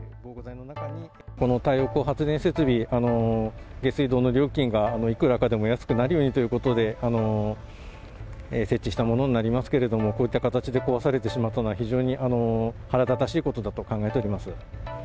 この太陽光発電設備、下水道の料金がいくらかでも安くなるようにということで、設置したものになりますけれども、こういった形で壊されてしまったのは、非常に腹立たしいことだと考えております。